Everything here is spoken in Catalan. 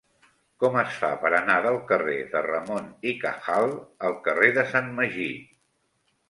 Com es fa per anar del carrer de Ramón y Cajal al carrer de Sant Magí?